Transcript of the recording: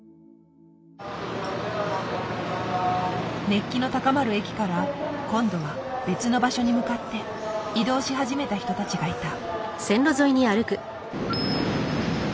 熱気の高まる駅から今度は別の場所に向かって移動し始めた人たちがいた。